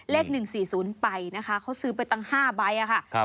เลข๑๔๐ไปนะคะเขาซื้อไปตั้ง๕ใบค่ะ